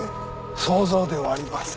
想像ではありません。